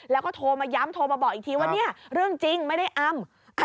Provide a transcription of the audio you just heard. แล้วก็โทรมาย้ำโทรมาบอกอีกทีว่าเนี่ยเรื่องจริงไม่ได้อำ